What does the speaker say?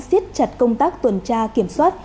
xiết chặt công tác tuần tra kiểm soát